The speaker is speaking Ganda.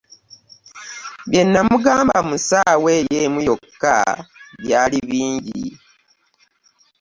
Bye namugamba mu nsanve eyo emu yokka byali bingi.